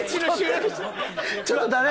ちょっと誰？